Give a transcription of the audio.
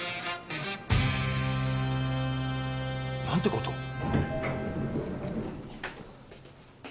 何てこと。